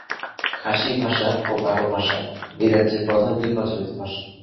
খাসি ভাষা ও গারো ভাষা এই রাজ্যের প্রধান দুই প্রচলিত ভাষা।